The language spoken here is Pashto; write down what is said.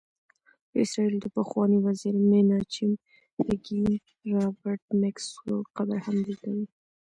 د اسرائیلو د پخواني وزیر میناچم بیګین، رابرټ میکسویل قبر هم دلته دی.